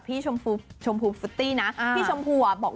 พี่ชามน่าจะเป็นคนมีพิษมีภัยนะเดี๋ยวไปฟังเสียงพี่ชมภูกันจ้า